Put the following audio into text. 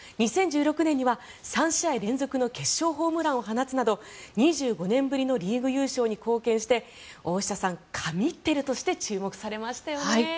２０１６年には３試合連続の決勝ホームランを放つなど２５年ぶりのリーグ優勝に貢献して大下さん、神ってるとして注目されましたよね。